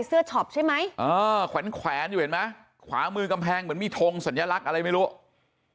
ช็อปใช่ไหมเออแขวนแขวนอยู่เห็นไหมขวามือกำแพงเหมือนมีทงสัญลักษณ์อะไรไม่รู้